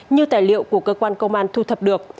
như tài liệu của cơ quan công an thu thập được